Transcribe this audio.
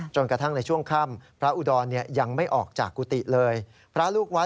จึงได้งัดประตูห้องเข้าไปแล้วก็แจ้งให้ตำรวจทราบดังกล่าวครับ